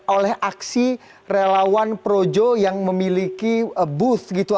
oleh aksi relawan projo yang memiliki booth gitu